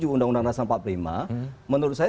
undang undang dasar empat puluh lima menurut saya